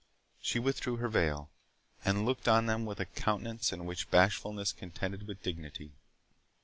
She withdrew her veil, and looked on them with a countenance in which bashfulness contended with dignity.